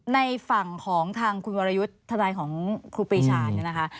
ในฝั่งของทางคุณวรยุทธ์ทนายของครูปีชาเนี่ยนะคะ